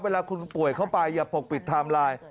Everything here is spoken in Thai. เวลาคุณป่วยเข้าไปอย่าปกปิดไทม์ไลน์